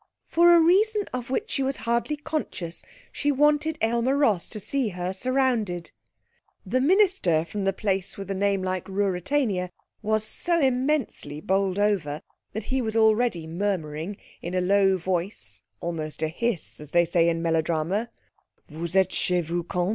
For a reason of which she was hardly conscious, she wanted Aylmer Ross to see her surrounded. The minister from the place with a name like Ruritania was so immensely bowled over that he was already murmuring in a low voice (almost a hiss, as they say in melodrama): 'Vous êtes chez vous, quand?